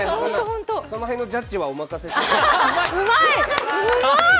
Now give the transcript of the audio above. その辺のジャッジはお願いします。